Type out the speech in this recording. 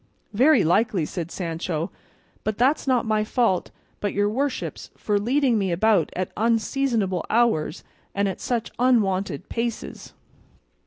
"Very likely," said Sancho, "but that's not my fault, but your worship's, for leading me about at unseasonable hours and at such unwonted paces."